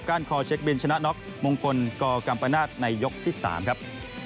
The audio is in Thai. คอเช็คบินชนะน็อกมงคลกกัมปนาศในยกที่๓ครับ